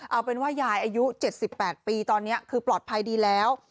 เอาเป็นว่ายายอายุ๗๘ปีตอนนี้คือปลอดภัยดีแล้ว